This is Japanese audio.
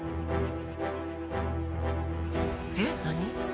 えっ何？